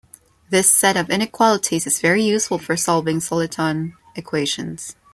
This set of inequalities is very useful for solving soliton equations.